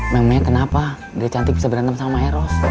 memangnya kenapa dari cantik bisa berantem sama eros